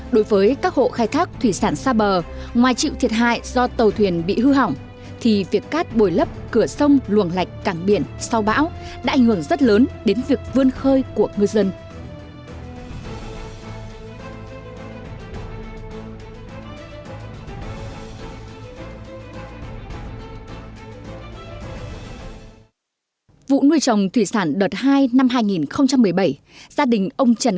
đối với các hộ khai thác thủy sản sa bờ ngoài chịu thiệt hại do tàu thuyền bị hư hỏng thì việc cát bồi lấp cửa sông luồng lạch càng biển sau bão đã ảnh hưởng rất lớn đến việc vươn khơi của người dân